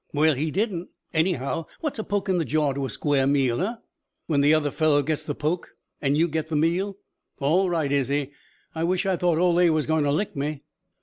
"Well he didn't. Anyhow, what's a poke in the jaw to a square meal, eh?" "When the other fellow gets the poke and you get the meal. All right, Izzie. I wish I thought Ole was going to lick me."